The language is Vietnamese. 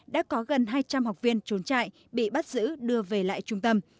đã có gần hai trăm linh học viên trốn chạy bị bắt giữ đưa về lại trung tâm